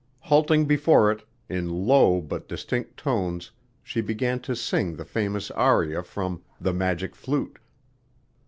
Halting before it, in low but distinct tones she began to sing the famous aria from "The Magic Flute."